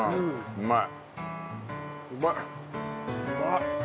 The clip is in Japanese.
うまい！